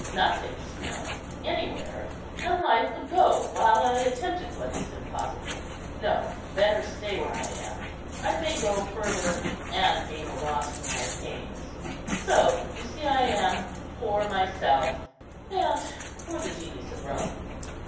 Nothing's known anywhere, and life would go while I attempted what is impossible. No, better stay where I am; I may go further, and gain a loss for my pains. So you see I am for myself, and for the genius of Rome."